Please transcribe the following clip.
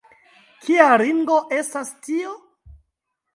kia ringo estas tio?